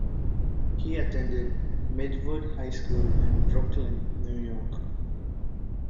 He attended Midwood High School in Brooklyn, New York.